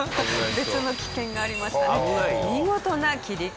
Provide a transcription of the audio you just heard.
別の危険がありましたね。